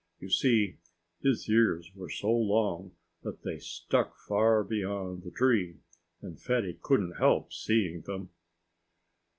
You see, his ears were so long that they stuck far beyond the tree, and Fatty couldn't help seeing them.